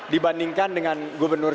dibandingkan dengan gubernur